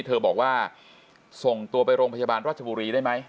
เธอบอกว่าส่งตัวไปโรงพยาบาลราชบุรีได้ไหม